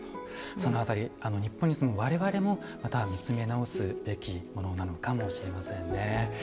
その辺り日本に住む我々もまた見つめ直すべきものなのかもしれませんね。